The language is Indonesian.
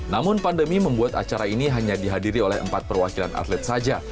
namun pandemi membuat acara ini hanya dihadiri oleh empat perwakilan atlet saja